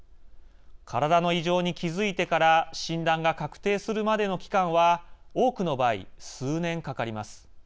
体の異常に気付いてから診断が確定するまでの期間は多くの場合、数年かかります。